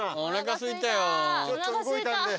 おなかすいたよ。